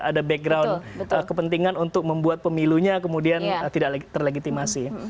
ada background kepentingan untuk membuat pemilunya kemudian tidak terlegitimasi